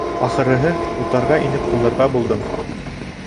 Ахырыһы, утарға инеп ҡунырға булдым.